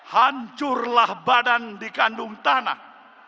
hancurlah badan di kandung tanah